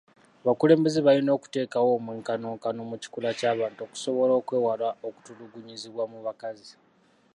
Abakulembeze balina okuteekawo omwenkanonkano mu kikula ky'abantu okusobola okwewala okutulugunyizibwa mu bakazi.